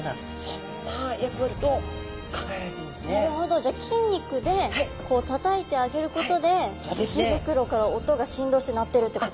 じゃあ筋肉でこうたたいてあげることで鰾から音が振動して鳴ってるってこと？